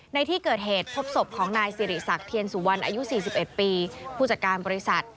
ในที่เกิดเหตุพบศพของนายสิริสักเทียนสุวรรณอายุ๔๑ปีผู้จัดการบริษัท